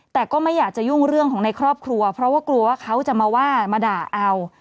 แต่ก็ไม่อยากจะยุ่งเรื่องของในครอบครัวเพราะว่ากลัวว่าเขาจะมาว่ามาด่าเอา